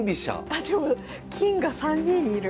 あでも金が３二にいる。